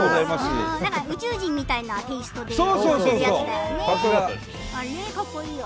宇宙人みたいなテイストでね。